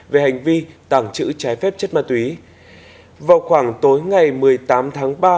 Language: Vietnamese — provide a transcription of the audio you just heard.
về hành vi tàng trữ trái phép chất ma túy vào khoảng tối ngày một mươi tám tháng ba